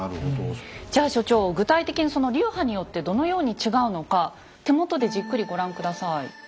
じゃ所長具体的にその流派によってどのように違うのか手元でじっくりご覧下さい。